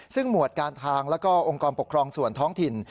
ซึ่งหมวดการทางแล้วก็องค์กรปกครองส่วนท้องถิ่น